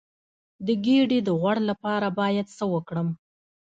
د ګیډې د غوړ لپاره باید څه وکړم؟